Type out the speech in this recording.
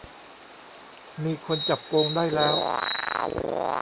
มีคนจับโกงได้แล้ว